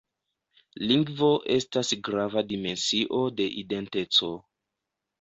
Lingvo estas grava dimensio de identeco.